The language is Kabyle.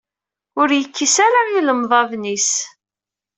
Ur yekkis ara ilemḍaden-is.